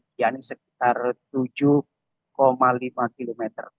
jaya rata tim sekitar tujuh lima km